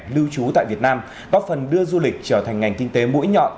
lưu trú tại việt nam góp phần đưa du lịch trở thành ngành kinh tế mũi nhọn